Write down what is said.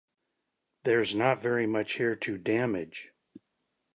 There's not very much here to damage.